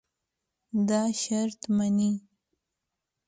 دا شرط منې.